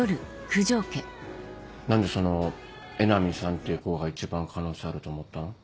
何でその江波さんっていう子が一番可能性あると思ったの？